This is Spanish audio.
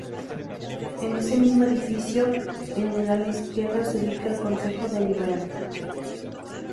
En ese mismo edificio, en el ala izquierda se ubica el Concejo Deliberante.